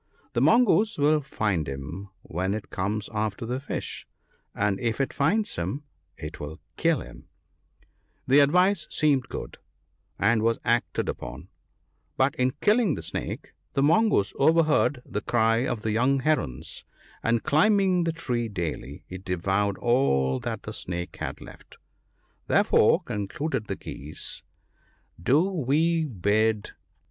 The Mongoose will find him when it comes after the fish, and if it finds him it will kill him/ The advice seemed good, and was acted upon ; but in killing the Snake the Mongoose overheard the cry of the young Herons ; and climbing the tree daily, he devoured all that the Snake had left. Therefore," concluded the Geese, " do we bid PEACE.